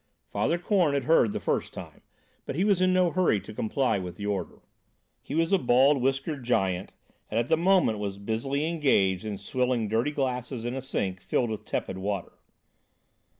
Father Korn had heard the first time, but he was in no hurry to comply with the order. He was a bald, whiskered giant, and at the moment was busily engaged in swilling dirty glasses in a sink filled with tepid water.